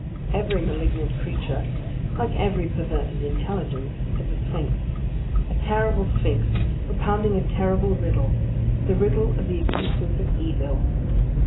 Every malignant creature, like every perverted intelligence, is a sphinx. A terrible sphinx propounding a terrible riddle; the riddle of the existence of Evil.